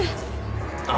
あ？